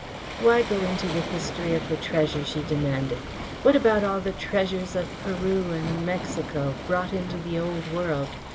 "Why go into the history of the treasure?" she demanded. "What about all the treasures of Peru and Mexico, brought into the old world?